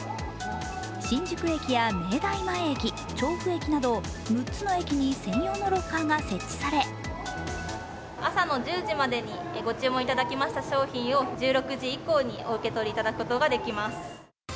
新宿駅や明大前駅、調布駅など６つの駅に専用のロッカーが設置され朝の１０時までにご注文いただきました商品を、１６時以降にお受け取りいただくことができます。